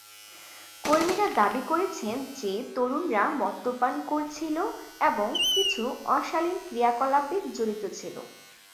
কর্মীরা দাবি করেছেন যে তরুণরা মদ্যপান করছিল এবং "কিছু অশালীন ক্রিয়াকলাপে" জড়িত ছিল।